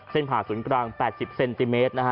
ผ่าศูนย์กลาง๘๐เซนติเมตรนะฮะ